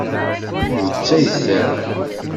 Ur ttayes ara.